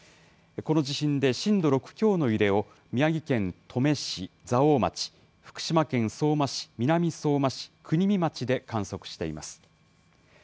この地震で震度６強の揺れを、宮城県登米市、蔵王町、福島県相馬市、南相馬市、国見町で観測しています。